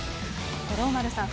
五郎丸さん